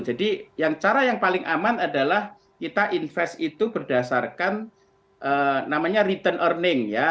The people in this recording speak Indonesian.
jadi cara yang paling aman adalah kita invest itu berdasarkan namanya return earning ya